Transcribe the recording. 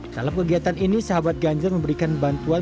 dalam kegiatan ini sahabat ganjar memberikan bantuan